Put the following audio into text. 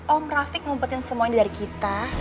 om rafiq ngumpetin semua ini dari kita